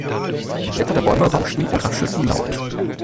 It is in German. Die Blätter der Bäume rauschten und raschelten laut.